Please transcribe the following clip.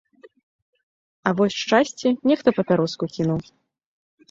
А вось шчасце, нехта папяроску кінуў.